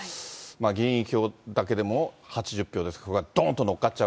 議員票だけでも８０票ですから、これがどーんと乗っかっちゃう